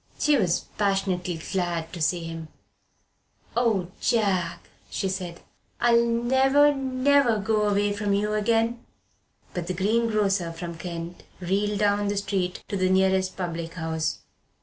She was passionately glad to see him. "Oh, Jack," she said, "I'll never, never go away from you again!" But the greengrocer from Kent reeled down the street to the nearest public house.